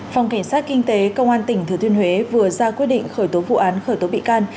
phòng cảnh sát kinh tế công an tỉnh thừa thiên huế vừa ra quyết định khởi tố vụ án khởi tố bị can